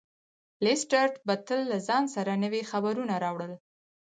لیسټرډ به تل له ځان سره نوي خبرونه راوړل.